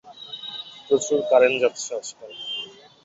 প্রচুর কারেন্ট যাচ্ছে আজকাল।